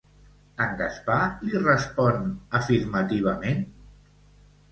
En Gaspar li respon afirmativament?